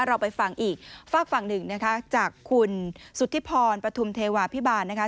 เราไปฟังอีกฝากฝั่งหนึ่งนะคะจากคุณสุธิพรปฐุมเทวาพิบาลนะคะ